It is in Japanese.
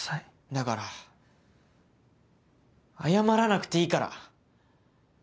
だから謝らなくていいから。